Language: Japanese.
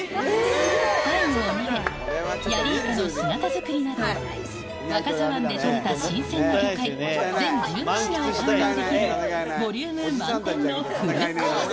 タイの鍋、ヤリイカの姿づくりなど、若狭湾で取れた新鮮な魚介、全１５品を堪能できるボリューム満点のフルコース。